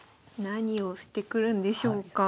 何をしてくるんでしょうか。